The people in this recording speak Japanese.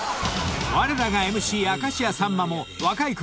［われらがＭＣ明石家さんまも］